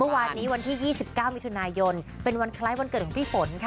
วันที่๒๙มิถุนายนเป็นวันคล้ายวันเกิดของพี่ฝนค่ะ